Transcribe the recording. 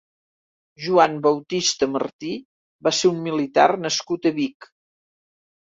Juan Bautista Martí va ser un militar nascut a Vic.